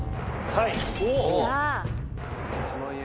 「はい」